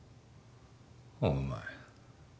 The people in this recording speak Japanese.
お前